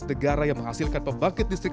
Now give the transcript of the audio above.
negara yang menghasilkan pembangkit listrik